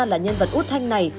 là nhân vật út thành này